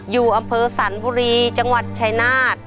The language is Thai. อยู่อำเภอสรรบุรีจังหวัดชายนาฏ